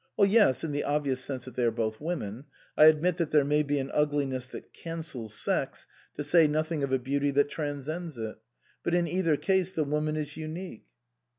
" Yes ; in the obvious sense that they are both women, I admit that there may be an ugliness that cancels sex, to say nothing of a beauty that transcends it ; but in either case the woman is unique."